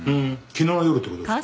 昨日の夜って事ですか？